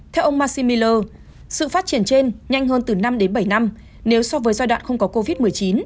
theo ông massimiller sự phát triển trên nhanh hơn từ năm đến bảy năm nếu so với giai đoạn không có covid một mươi chín